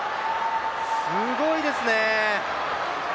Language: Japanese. すごいですね。